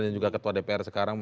dan juga ketua dpr sekarang